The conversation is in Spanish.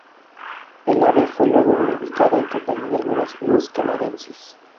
El ave fue luego reubicada en compañía de algunas "Grus canadensis".